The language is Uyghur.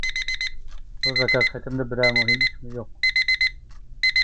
بۇ زاكاز خېتىمدە بىرەر مۇھىم ئىشمۇ يوق.